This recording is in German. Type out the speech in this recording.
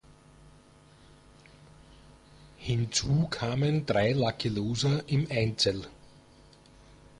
Hinzu kamen drei Lucky Loser im Einzel.